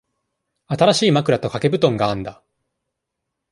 新しい枕と掛け布団があんだ。